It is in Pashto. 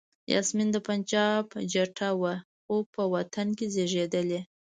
یاسمین د پنجاب جټه وه خو په وطن کې زیږېدلې.